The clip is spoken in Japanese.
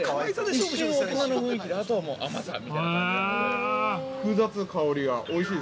一瞬大人の雰囲気であとは甘さみたいな感じなので。